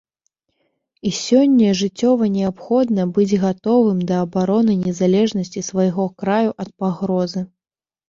І сёння жыццёва неабходна быць гатовым да абароны незалежнасці свайго краю ад пагрозы.